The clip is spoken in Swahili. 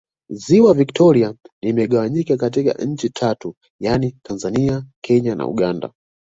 Ziwa Victoria limegawanyika katika nchi tatu yaani Tanzania Kenya na Uganda